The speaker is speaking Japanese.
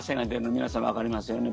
皆さん、わかりますよね。